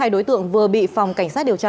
hai đối tượng vừa bị phòng cảnh sát điều tra